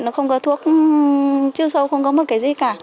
nó không có thuốc chưa sâu không có một cái gì cả